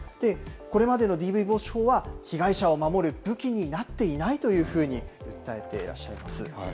これまでのＤＶ防止法は、被害者を守る武器になっていないというふうに訴えてらっしゃいます。